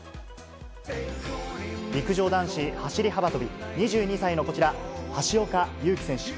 陸上男子走り幅跳び、２２歳のこちら、橋岡優輝選手。